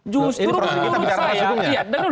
justru menurut saya